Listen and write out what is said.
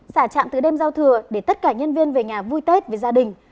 xả trạm từ đêm giao thừa để tất cả nhân viên về nhà vui tết với gia đình